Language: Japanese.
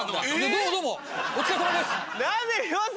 どうもどうもお疲れさまです。